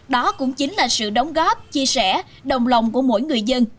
đó cũng chính là sự đóng góp chia sẻ đồng lòng của mỗi người dân